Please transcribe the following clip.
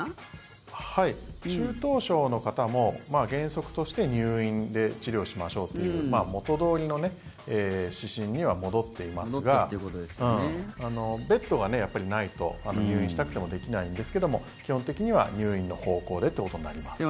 中等症の方も原則として入院して治療しましょうということで元どおりの指針には戻っていますがベッドがないと、入院したくてもできないんですけれども基本的には入院の方向でということになります。